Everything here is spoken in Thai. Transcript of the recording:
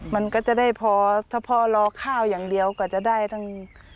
มันก็จะได้พอถ้าพ่อรอข้าวอย่างเดียวก็จะได้ทั้ง